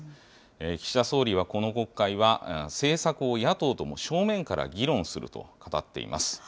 岸田総理はこの国会は、政策を野党とも正面から議論すると語っています。